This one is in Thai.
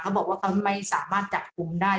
บอกว่าเขาไม่สามารถจับกลุ่มได้